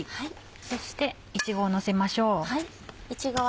そしていちごをのせましょう。